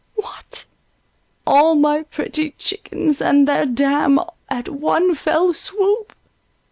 What! all my pretty chickens, and their dam, At one fell swoop!